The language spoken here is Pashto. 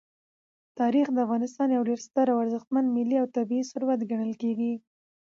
تاریخ د افغانستان یو ډېر ستر او ارزښتمن ملي او طبعي ثروت ګڼل کېږي.